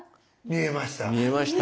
見えました？